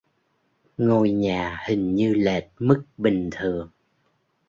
Ngôi nhà hình như lệch mức bình thường